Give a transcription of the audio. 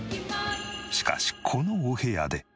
しかしこのお部屋で。